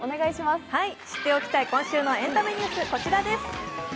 知っておきたい今週のエンタメニュース、こちらです。